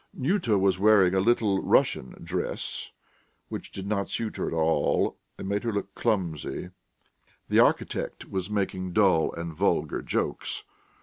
Nyuta was wearing a Little Russian dress which did not suit her at all, and made her look clumsy; the architect was making dull and vulgar jokes.